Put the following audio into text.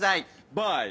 バイ。